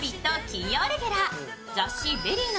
金曜レギュラー。